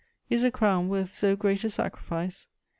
Is a crown worth so great a sacrifice?